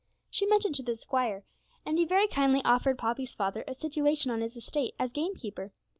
She mentioned it to the squire, and he very kindly offered Poppy's father a situation on his estate as gamekeeper.